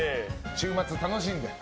週末、楽しんで。